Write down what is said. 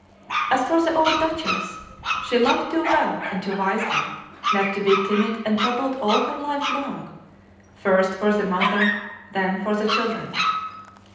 As for the old duchess, she loved too well and too wisely not to be timid and troubled all her life long, first for the mother, then for the children.